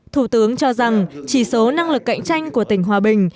thủ tướng cho rằng chỉ số năng lực cạnh tranh của tỉnh hòa bình